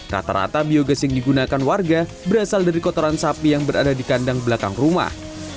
rata rata biogas yang digunakan warga berasal dari kotoran sapi yang berada di kandang belakang rumah